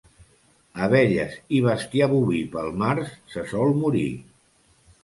Abelles i bestiar boví pel març se sol morir.